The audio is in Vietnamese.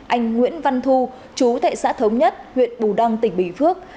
anh nguyễn văn thu chú tại xã thống nhất huyện bù đăng tỉnh bình phước